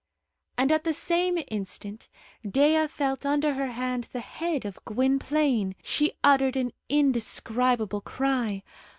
And at the same instant Dea felt under her hand the head of Gwynplaine. She uttered an indescribable cry.